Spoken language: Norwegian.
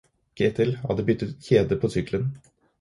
Ketil hadde nettopp byttet kjede på sykkelen.